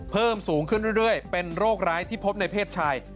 เพิ่มสูงขึ้นเรื่อยเป็นโรคร้ายที่พบในเพศชาย